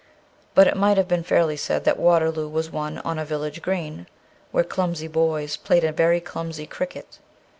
But it might have been fairly said that Waterloo was won on the village green, where clumsy boys played a very clumsy cricket.